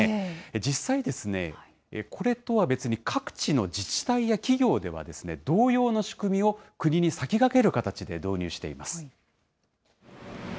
実際、これとは別に各地の自治体や企業では、同様の仕組みを国に先駆ける形で導入しています。